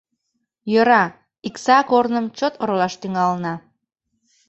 Йӧра, Икса корным чот оролаш тӱҥалына.